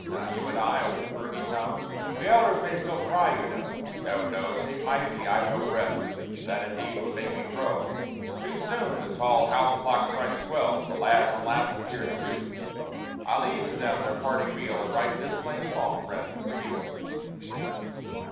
Now you and I, old Fergie, come, We elders may still try, you know, No, no ! take Mysie, I've no breath, That indeed would make me crow ! Too soon the tall house clock strikes twelve, The lads and lasses hear it too, I leave them to their parting reel, And write this plain song, friend, for you.